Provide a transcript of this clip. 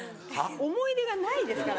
思い出がないですから。